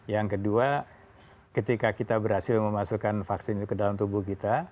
yang kedua ketika kita berhasil memasukkan vaksin ke dalam tubuh kita